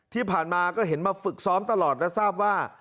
ที่ผ่านมาก็เห็นมาฝึกซ้อมตลอดและทราบว่า